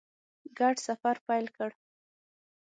ګډ سفر پیل کړ.